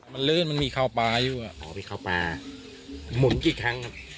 มันลื่นมันมีเข้าปลาอยู่อ่ะอ๋อไปเข้าปลาหมุนกี่ครั้งครับ